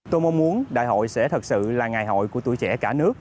tôi mong muốn đại hội sẽ thật sự là ngày hội của tuổi trẻ cả nước